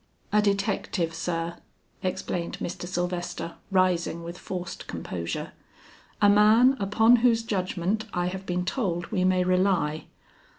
"A detective, sir," explained Mr. Sylvester rising with forced composure; "a man upon whose judgment I have been told we may rely.